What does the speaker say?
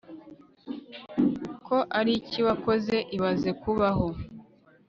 ko ariki wakoze ibaze kubaho